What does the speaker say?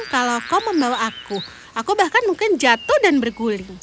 aku akan menanggung kalau kau membawa aku aku bahkan mungkin jatuh dan berguling